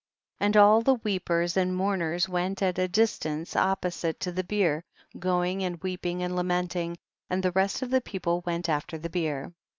39. And all the weepers and mourners went at a distance opposite to the bier, going and weeping and lamenting, and the rest of the people went after the bier.